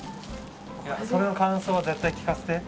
その感想は絶対聞かせて。